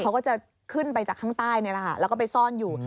เขาก็จะขึ้นไปจากข้างใต้แล้วก็ไปซ่อนอยู่